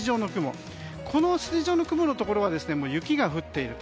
この筋状の雲のところは雪が降っていると。